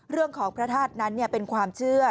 เรื่องของพระทาตนั้นเป็นความเชื่อ